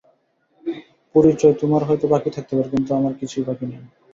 পরিচয় তোমার হয়তো বাকি থাকতে পারে, কিন্তু আমার কিছুই বাকি নেই।